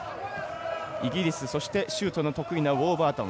イギリスそしてシュートの得意なウォーバートン。